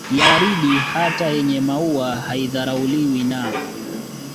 ya waridi hata yenye maua haidharauliwi na